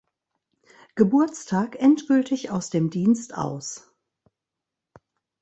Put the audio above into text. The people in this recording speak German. Geburtstag endgültig aus dem Dienst aus.